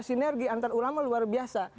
sinergi antar ulama luar biasa